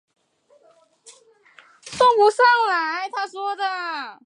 拓荒者号携带了三种不同的科学仪器用来调查火星土壤。